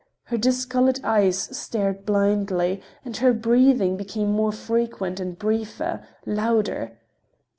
Her discolored eyes stared blindly, and her breathing became more frequent, and briefer, louder.